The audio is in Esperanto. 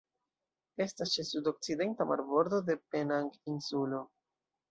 Estas ĉe sudokcidenta marbordo de Penang-insulo.